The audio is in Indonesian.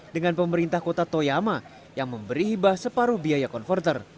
dengan pemerintah kota toyama yang memberi hibah separuh biaya konverter